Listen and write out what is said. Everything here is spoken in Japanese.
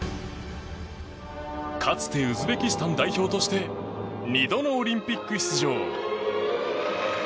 かつてウズベキスタン代表として２度のオリンピック出場。